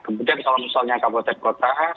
kemudian kalau misalnya kabupaten kota